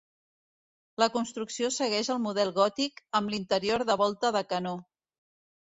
La construcció segueix el model gòtic amb l'interior de volta de canó.